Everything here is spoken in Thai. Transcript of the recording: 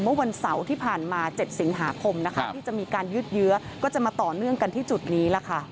เมื่อวันเสาร์ที่ผ่านมา๗สิงหาคมนะคะที่จะมีการยืดเยื้อก็จะมาต่อเนื่องกันที่จุดนี้ล่ะค่ะ